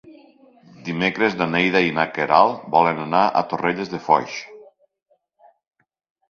Dimecres na Neida i na Queralt volen anar a Torrelles de Foix.